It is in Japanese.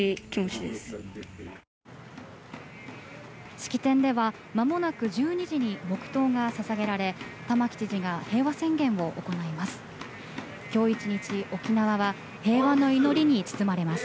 式典ではまもなく１２時に黙祷が捧げられ玉城知事が平和宣言を行います。